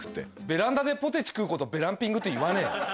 ベランダでポテチ食うことベランピングって言わねえよ。